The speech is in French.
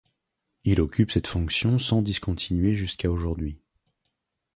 Il occupe cette fonction sans discontinuer jusqu'à aujourd'hui.